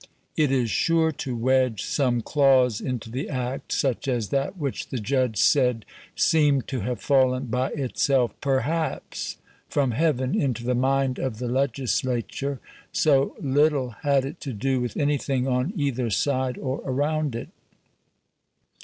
It is sure to wedge some clause into the Act, such as that which the judge said "seemed to have fallen by itself, PERHAPS, from heaven, into the mind of the legislature," so little had it to do with anything on either side or around it.